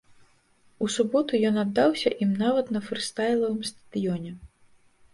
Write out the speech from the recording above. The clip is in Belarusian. У суботу ён аддаўся ім нават на фрыстайлавым стадыёне.